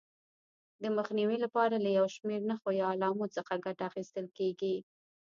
د مخنیوي لپاره له یو شمېر نښو یا علامو څخه ګټه اخیستل کېږي.